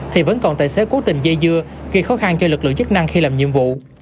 thì vẫn còn tài xế cố tình dây dưa gây khó khăn cho lực lượng chức năng khi làm nhiệm vụ